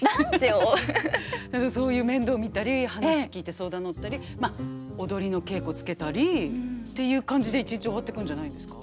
何かそういう面倒見たり話聞いて相談に乗ったりまあ踊りの稽古つけたりっていう感じで一日終わってくんじゃないんですか。